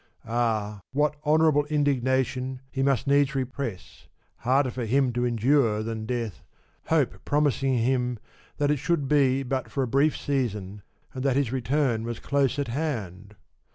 Ah, what honourable indignation he must needs repress, harder for him to endure than death, hope promising him 34 that it should be but for a brief season and that his return was close at hand